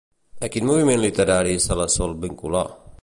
A quin moviment literari se la sol vincular?